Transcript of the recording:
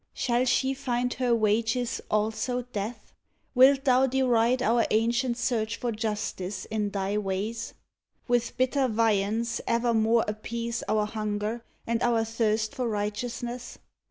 Shall she find Her wages also death? Wilt thou deride Our ancient search for justice in thy ways? 112 A'T "THE GRAFE OF SERRA With bitter viands evermore appease Our hunger and our thirst for righteousness?